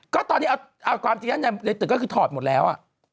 ก็ตอนนี้เอาความจริงแล้วในตึกก็คือถอดหมดแล้ว